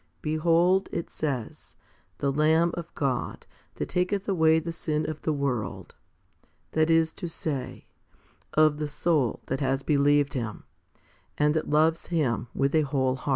Behold, it says, the Lamb of God, that taketh away the sin of the world, 6 that is to say, of the soul that has believed Him, and that loves Him with a whole heart.